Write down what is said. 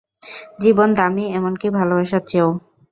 জীবন দামী, এমনকি ভালোবাসার চেয়েও।